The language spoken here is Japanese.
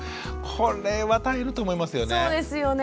これは大変だと思いますよね。